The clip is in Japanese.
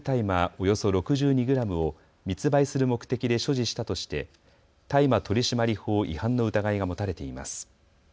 およそ６２グラムを密売する目的で所持したとして大麻取締法違反の疑いが持たれています。